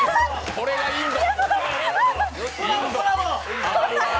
これがインド。